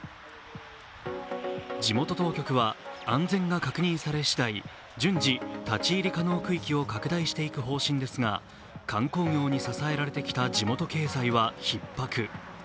地元当局は安全が確認されしだい、順次、立ち入り可能区域を拡大していく方針ですが観光業に支えられてきた地元経済はひっ迫。